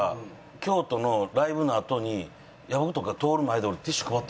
京都のライブのあとに野爆とか通る前で俺ティッシュ配ってたんですよ。